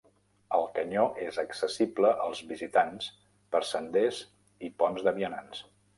El canyó és accessible als visitants per senders i ponts de vianants.